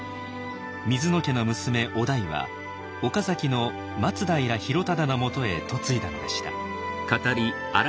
水野家の娘於大は岡崎の松平広忠のもとへ嫁いだのでした。